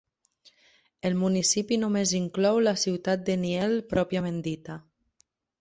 El municipi només inclou la ciutat de Niel pròpiament dita.